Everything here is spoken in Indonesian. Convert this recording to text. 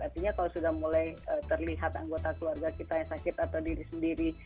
artinya kalau sudah mulai terlihat anggota keluarga kita yang sakit atau diri sendiri